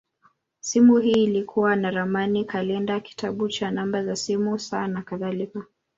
Simu hii ilikuwa na ramani, kalenda, kitabu cha namba za simu, saa, nakadhalika.